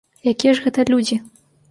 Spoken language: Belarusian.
Якія ж гэта людзі?!